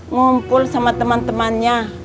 ngumpul sama teman temannya